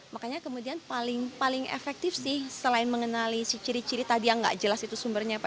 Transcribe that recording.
makanya kemudian paling efektif sih selain mengenali si ciri ciri tadi yang nggak jelas itu sumbernya apa